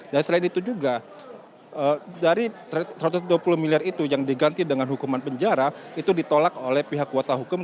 dan selain itu juga dari satu ratus dua puluh miliar itu yang diganti dengan hukuman penjara itu ditolak oleh pihak kuasa hukum